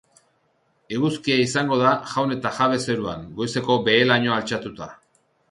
Eguzkia izango da jaun eta jabe zeruan, goizeko behe-lainoa altxatuta.